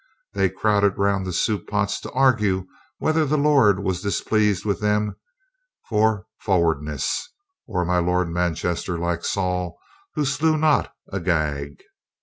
They crowded round the soup pots to argue whether the Lord was displeased with them for fro wardness, or my Lord Manchester, like Saul who slew not Agag.